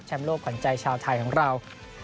โลกขวัญใจชาวไทยของเรา